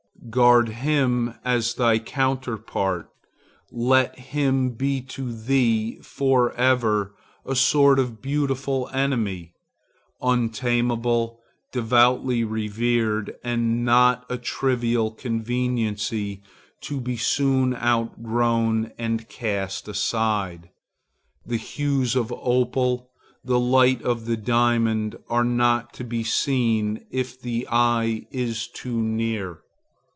Guard him as thy counterpart. Let him be to thee for ever a sort of beautiful enemy, untamable, devoutly revered, and not a trivial conveniency to be soon outgrown and cast aside. The hues of the opal, the light of the diamond, are not to be seen if the eye is too near.